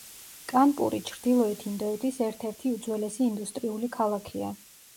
კანპური ჩრდილოეთ ინდოეთის ერთ-ერთი უძველესი ინდუსტრიული ქალაქია.